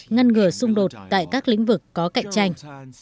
ngăn ngừa xung đột tại các lĩnh vực có cạnh tranh